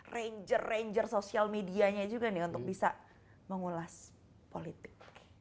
ranger ranger sosial medianya juga nih untuk bisa mengulas politik